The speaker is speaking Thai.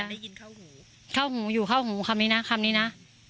ได้ยินเข้าหูเข้าหูอยู่เข้าหูคำนี้นะคำนี้นะ